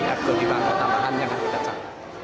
atau di bangun tambahan yang harus diperlukan